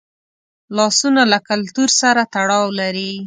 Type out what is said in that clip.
لاسونه له کلتور سره تړاو لري